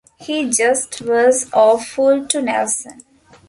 He just was awful to Nelson.